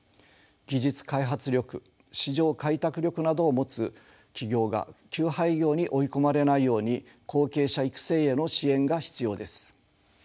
技術開発力市場開拓力などを持つ企業が休廃業に追い込まれないように後継者育成への支援が必要です。